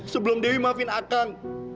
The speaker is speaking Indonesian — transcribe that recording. sebelum dewi maafin akan